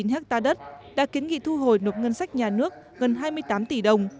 hai trăm năm mươi sáu ba trăm tám mươi chín hectare đất đã kiến nghị thu hồi nộp ngân sách nhà nước gần hai mươi tám tỷ đồng